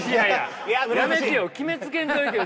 やめてよ決めつけんといてよ。